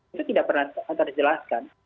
itu tidak pernah terjelaskan